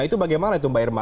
itu bagaimana itu mbak irma